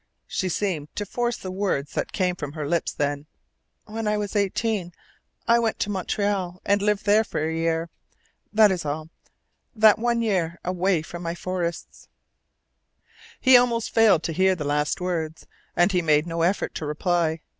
She seemed to force the words that came from her lips then: "When I was eighteen I went to Montreal and lived there a year, That is all that one year away from my forests " He almost failed to hear the last words, and he made no effort to reply.